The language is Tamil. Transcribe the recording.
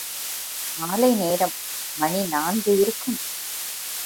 மாலை நேரம் மணி நான்கு இருக்கும்.